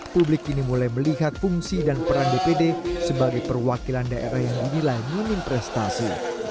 publik ini mulai melihat fungsi dan peran dpd sebagai perwakilan daerah yang dinilai minim prestasi